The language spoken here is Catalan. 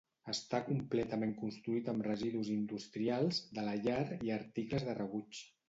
Està completament construït amb residus industrials, de la llar i articles de rebuig.